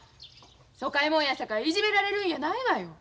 疎開もんやさかいいじめられるんやないわよ。